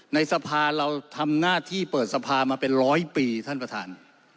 ในสภาเราทำหน้าที่เปิดสภามาเป็นร้อยปีท่านประธาน